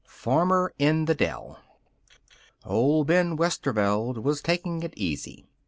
Farmer in the Dell Old Ben Westerveld was taking it easy.